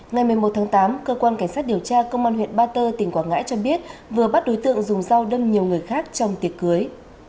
ngày một mươi một tháng tám cơ quan cảnh sát điều tra công an huyện ba tơ tỉnh quảng ngãi cho biết vừa bắt đối tượng dùng dao đâm nhiều người khác trong tiệc cưới